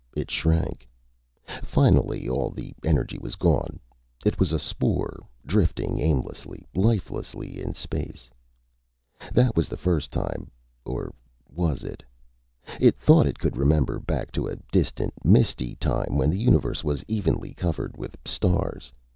It shrank. Finally, all the energy was gone. It was a spore, drifting aimlessly, lifelessly, in space. That was the first time. Or was it? It thought it could remember back to a distant, misty time when the Universe was evenly covered with stars.